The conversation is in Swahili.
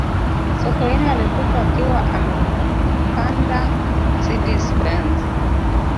sokoine alikufa akiwa amepanda mercedes benz